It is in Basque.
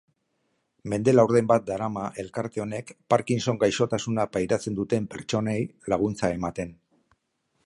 Mende laurden bat darama elkarte honek parkinson gaixotasuna pairatzen duten pertsonei laguntza ematen.